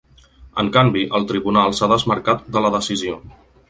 En canvi, el tribunal s’ha desmarcat de la decisió.